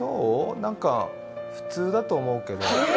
なんか普通だと思うけど。